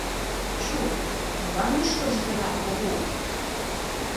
Чу, молан мӱшкыржӧ тынар кугу?